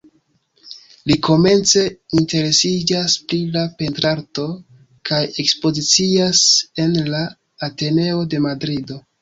Li komence interesiĝas pri la pentrarto, kaj ekspozicias en la Ateneo de Madrido.